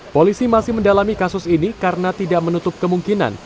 polisi masih mendalami kasus ini karena tidak menutup kemungkinan